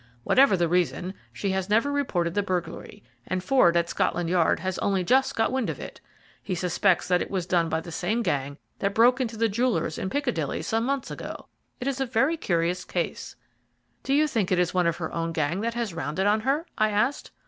Whatever the reason, she has never reported the burglary, and Ford at Scotland Yard has only just got wind of it. He suspects that it was done by the same gang that broke into the jeweller's in Piccadilly some months ago. It is a very curious case." "Do you think it is one of her own gang that has rounded on her?" I asked.